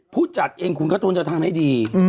ผู้จัดเองขุนการ์ตูนจะทำให้ดี